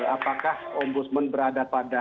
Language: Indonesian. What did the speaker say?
apakah om budsman berada pada